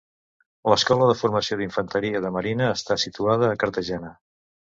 L'escola de Formació d'Infanteria de marina està situada a Cartagena.